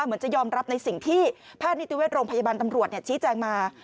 เหมือนจะยอมรับในสิ่งที่แพทย์นิติเวชโรงพยาบาลตำรวจชี้แจงมา